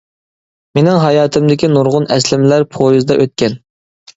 مېنىڭ ھاياتىمدىكى نۇرغۇن ئەسلىمىلەر پويىزدا ئۆتكەن.